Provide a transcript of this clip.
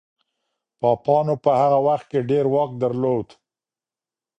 پاپانو په هغه وخت کي ډېر واک درلود.